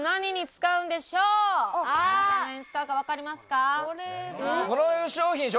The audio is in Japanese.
皆さん何に使うかわかりますか？